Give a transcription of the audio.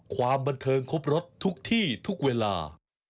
ความบันเทิงครบรถทุกที่ทุกเวลา